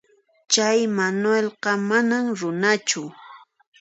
Chay Manuelqa manam runachu.